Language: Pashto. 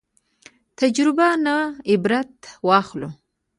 تجربو نه عبرت واخلو